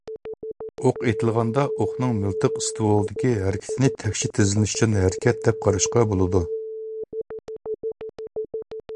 ئوق ئېتىلغاندا، ئوقنىڭ مىلتىق ئىستوۋۇلىدىكى ھەرىكىتىنى تەكشى تېزلىنىشچان ھەرىكەت دەپ قاراشقا بولىدۇ.